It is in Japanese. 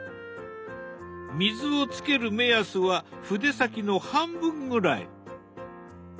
水をつける目安は筆先の半分ぐらい。